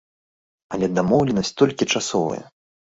Але дамоўленасць толькі часовая.